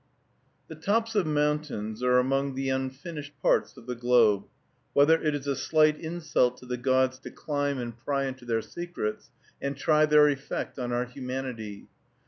The tops of mountains are among the unfinished parts of the globe, whither it is a slight insult to the gods to climb and pry into their secrets, and try their effect on our humanity.